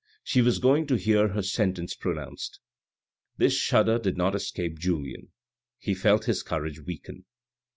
She was going to hear her sentence pronounced. This shudder did not escape Julien. He felt his courage weaken.